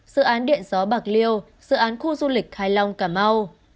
dự án điện gió bạc liêu dự án khu du lịch hải long cà mau